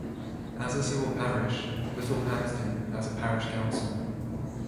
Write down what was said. As a civil parish, Little Paxton has a parish council.